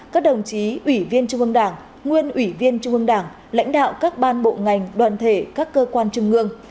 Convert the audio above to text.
các đồng chí ủy viên trung ương đảng nguyên ủy viên trung ương đảng lãnh đạo các ban bộ ngành đoàn thể các cơ quan trung ương